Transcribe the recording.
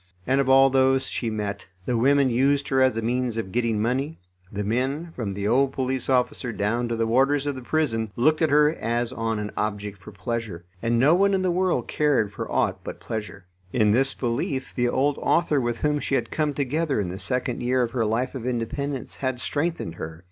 And of all those she met, the women used her as a means of getting money, the men, from the old police officer down to the warders of the prison, looked at her as on an object for pleasure. And no one in the world cared for aught but pleasure. In this belief the old author with whom she had come together in the second year of her life of independence had strengthened her.